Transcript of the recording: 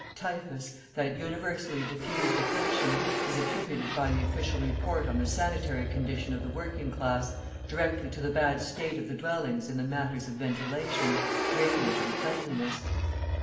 Typhus, that universally diffused affliction, is attributed by the official report on the sanitary condition of the working class, directly to the bad state of the dwellings in the matters of ventilation, drainage, and cleanliness.